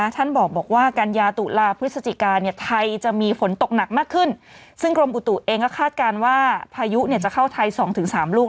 อย่างของที่โซเกาหลีเป็นฝนในรอบ๘๐ปีใช่ไหมคะ